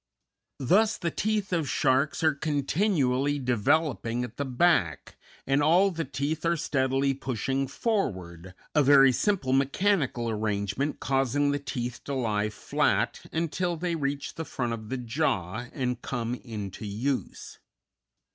Thus the teeth of sharks are continually developing at the back, and all the teeth are steadily pushing forward, a very simple mechanical arrangement causing the teeth to lie flat until they reach the front of the jaw and come into use.